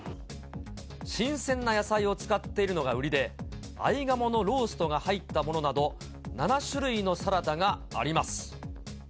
新鮮な野菜を使っているのが売りで、合鴨のローストが入ったものなど、７種類のサラダがあります。